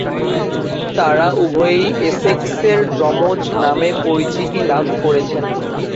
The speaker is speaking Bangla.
তারা উভয়েই এসেক্সের যমজ নামে পরিচিতি লাভ করেছেন।